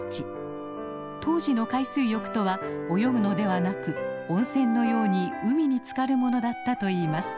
当時の海水浴とは泳ぐのではなく温泉のように海につかるものだったといいます。